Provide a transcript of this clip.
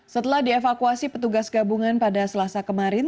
setelah dievakuasi petugas gabungan pada selasa kemarin